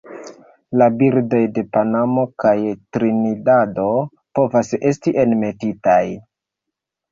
La birdoj de Panamo kaj Trinidado povas esti enmetitaj.